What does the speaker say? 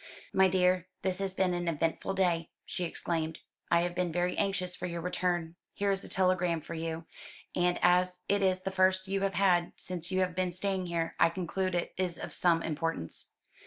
"My dear, this has been an eventful day," she exclaimed. "I have been very anxious for your return. Here is a telegram for you; and as it is the first you have had since you have been staying here, I conclude it is of some importance."